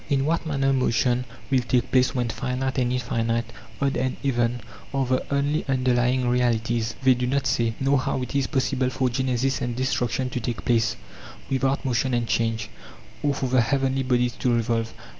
In what manner motion will take place when finite and infinite, odd and even, are the only underlying realities, they do not say;.nor how it is possible for genesis and destruction to take place without motion and change, or for the heavenly bodies to revolve.